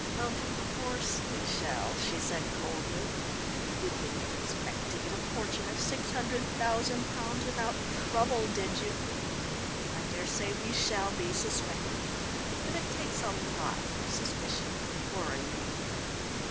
"Of course we shall," she said coldly. "You didn't expect to get a fortune of six hundred thousand pounds without trouble, did you? I dare say we shall be suspected. But it takes a lot of suspicion to worry me.